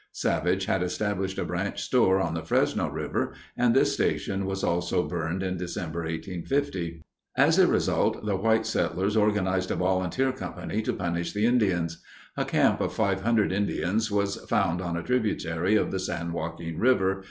Savage had established a branch store on the Fresno River, and this station was also burned in December, 1850. As a result the white settlers organized a volunteer company to punish the Indians. A camp of 500 Indians was found on a tributary of the San Joaquin River.